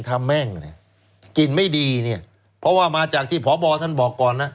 แม่งเนี่ยกลิ่นไม่ดีเนี่ยเพราะว่ามาจากที่พบท่านบอกก่อนนะ